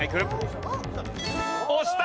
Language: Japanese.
押した！